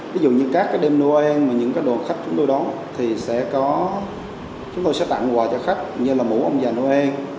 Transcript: ví dụ như các đêm noel mà những đồn khách chúng tôi đón thì chúng tôi sẽ tặng quà cho khách như là mũ ông già noel